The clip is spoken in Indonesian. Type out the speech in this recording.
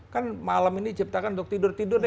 kan malam ini ciptakan untuk tidur tidurnya